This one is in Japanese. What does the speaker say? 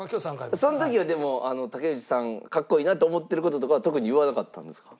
その時はでも竹内さん格好いいなと思ってる事とかは特に言わなかったんですか？